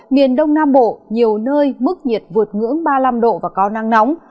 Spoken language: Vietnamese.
miền đông nam bộ nhiều nơi mức nhiệt vượt ngưỡng ba mươi năm độ và có nắng nóng